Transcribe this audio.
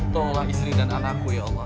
tolonglah istri dan anakku ya allah